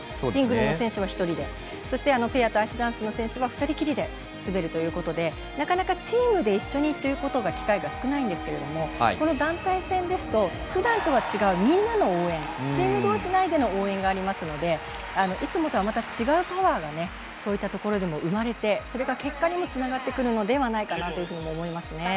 シングルの選手は１人でペアとアイスダンスの選手は２人きりで滑るということでなかなかチームで一緒にという機会が少ないんですけれどもこの団体戦ですとふだんとは違うみんなの応援、チーム同士内での応援がありますのでいつもとはまた違うパワーがそういったところにも生まれて、それが結果にもつながるのではと思います。